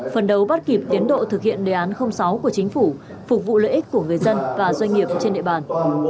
phần đấu bắt kịp tiến độ thực hiện đề án sáu của chính phủ phục vụ lợi ích của người dân và doanh nghiệp trên địa bàn